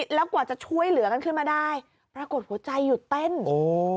แล้วกว่าจะช่วยเหลือกันขึ้นมาได้ปรากฏหัวใจหยุดเต้นโอ้